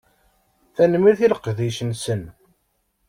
Tanemmirt i leqdic-nsen.